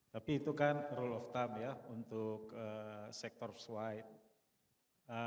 tapi itu kan rule of time ya untuk sektor swipe